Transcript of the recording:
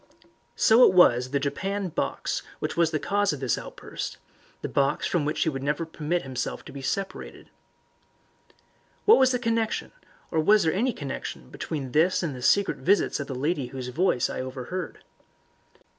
So it was the japanned box which was the cause of this outburst the box from which he would never permit himself to be separated. What was the connection, or was there any connection between this and the secret visits of the lady whose voice I had overheard?